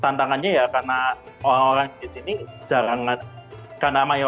tantangan sih kalau menurut sesi tantangannya ya karena orangsadasini jarang ada karena ma stal